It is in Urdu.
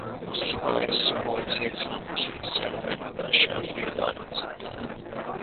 اسکے باعث بہت سی اقسام کے سر درد کا شافی علاج ہو سکتا ہے